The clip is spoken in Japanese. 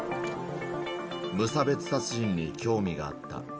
無差別殺人に興味があった。